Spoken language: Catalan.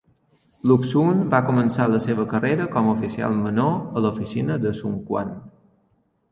Lu Xun va començar la seva carrera com a oficial menor a l'oficina de Sun Quan.